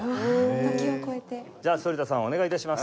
じゃあ反田さんお願い致します。